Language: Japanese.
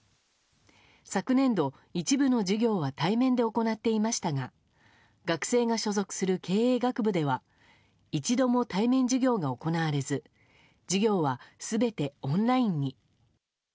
昨年度、一部の授業は対面で行っていましたが学生が所属する経営学部では一度も対面授業が行われず授業は全てオンラインに。